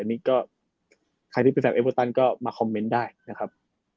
อันนี้ก็ใครที่เป็นแฟนอะอิบาตั่นก็มาป็อลมาสบายได้นะครับ